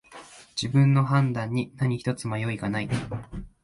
自分の判断に何ひとつ迷いがない